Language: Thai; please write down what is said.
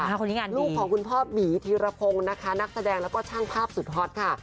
คนนี้ไงลูกของคุณพ่อหมีธีรพงศ์นะคะนักแสดงแล้วก็ช่างภาพสุดฮอตค่ะ